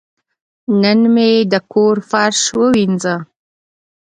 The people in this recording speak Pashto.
نن مې د کور فرش ووینځه.